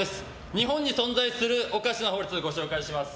日本に存在するおかしな法律をご紹介します。